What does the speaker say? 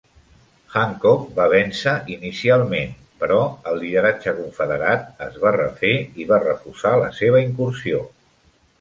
Hancock va vèncer inicialment, però el lideratge confederat es va refer i va refusar la seva incursió.